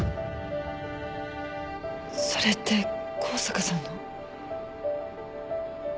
それって香坂さんの。